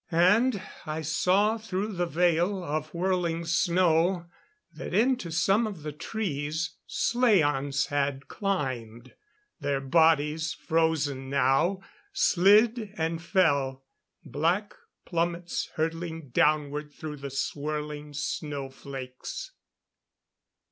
And I saw through the veil of whirling snow, that into some of the trees slaans had climbed. Their bodies, frozen now, slid and fell black plummets hurtling downward through the swirling snow flakes.